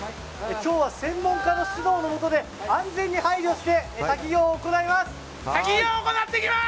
今日は専門家の指導のもとで安全に配慮して滝行を行います。